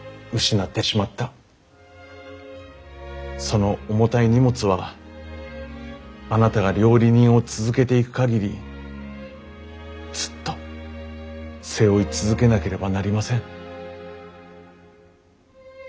その重たい荷物はあなたが料理人を続けていく限りずっと背負い続けなければなりません。